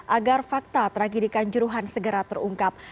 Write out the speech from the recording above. agar fakta tragedi kanjuruhan segera terungkap